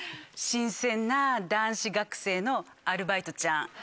新鮮な男子学生のアルバイトちゃん。